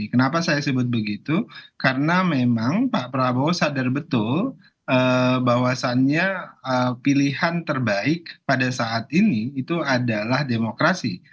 kenapa saya sebut begitu karena memang pak prabowo sadar betul bahwasannya pilihan terbaik pada saat ini itu adalah demokrasi